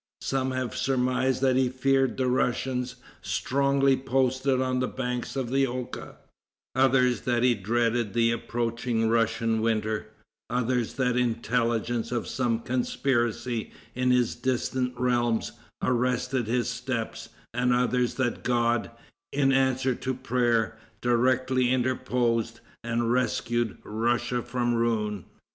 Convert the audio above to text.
Some have surmised that he feared the Russians, strongly posted on the banks of the Oka, others that he dreaded the approaching Russian winter; others that intelligence of some conspiracy in his distant realms arrested his steps, and others that God, in answer to prayer, directly interposed, and rescued Russia from ruin.